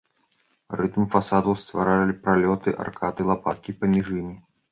Рытм фасадаў стваралі пралёты аркад і лапаткі паміж імі.